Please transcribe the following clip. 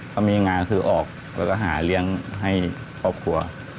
เขามีงานคือออกแล้วก็หาเลี้ยงให้ครอบครัว